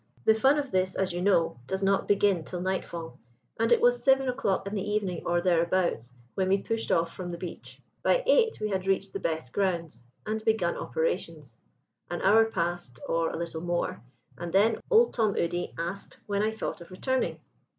The fun of this, as you know, does not begin till night fall, and it was seven o'clock in the evening, or thereabouts, when we pushed off from the beach. By eight we had reached the best grounds and begun operations. An hour passed, or a little more, and then Old Tom Udy asked when I thought of returning.